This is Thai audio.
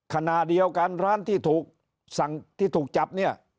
คณะเดียวกันร้านที่ถูกจับเนี่ย